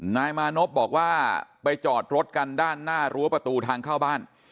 นายมานพบอกว่าไปจอดรถกันด้านหน้ารั้วประตูทางเข้าบ้าน